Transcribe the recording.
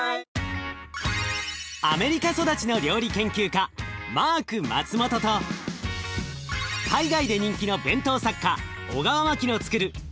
アメリカ育ちの料理研究家マーク・マツモトと海外で人気の弁当作家小川真樹のつくる